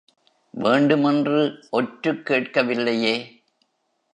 வேண்டுமென்று ஒற்றுக் கேட்கவில்லையே!